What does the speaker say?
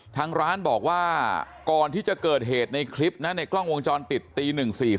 ทางร้านบอกว่าก่อนที่จะเกิดเหตุในคลิปนะในกล้องวงจรปิดตี๑๔๔